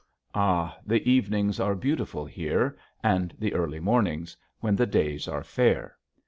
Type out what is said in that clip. Ah, the evenings are beautiful here and the early mornings, when the days are fair!